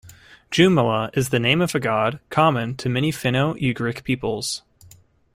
"Jomala" is the name of a god common to many Finno-Ugric peoples.